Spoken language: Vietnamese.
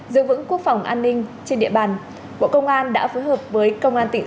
giữ vững quốc phòng an ninh trên địa bàn bộ công an đã phối hợp với công an tỉnh